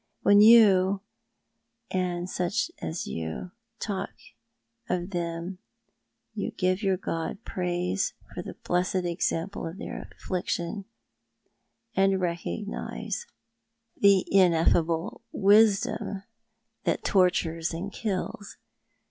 When you, and such as you, talk of them you give your God praise for the blessed examjjlc of their affliction, and lecogniso 334 Thou art the Ma7t. the ineffable wisdom that tortures and kills.